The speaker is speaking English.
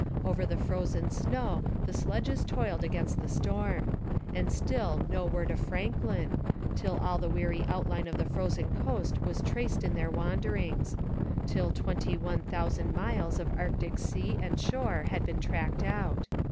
Over the frozen snow the sledges toiled against the storm. And still no word of Franklin, till all the weary outline of the frozen coast was traced in their wanderings: till twenty one thousand miles of Arctic sea and shore had been tracked out.